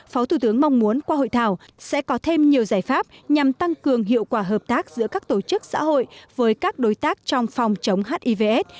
phó thủ tướng mong muốn qua hội thảo sẽ có thêm nhiều giải pháp nhằm tăng cường hiệu quả hợp tác giữa các tổ chức xã hội với các đối tác trong phòng chống hivs